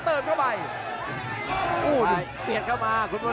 ต้องบอกว่าคนที่จะโชคกับคุณพลน้อยสภาพร่างกายมาต้องเกินร้อยครับ